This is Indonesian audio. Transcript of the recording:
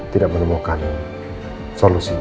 tidak menemukan solusinya